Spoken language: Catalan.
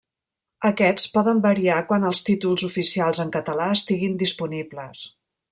Aquests poden variar quan els títols oficials en català estiguin disponibles.